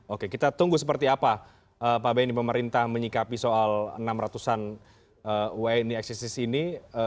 oke kita tunggu seperti apa pak bni pemerintah menyikapi soal enam ratusan wni eksistensi ini